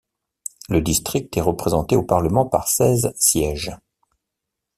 Le district est représenté au Parlement par seize sièges.